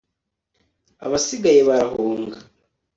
abasigaye barahunga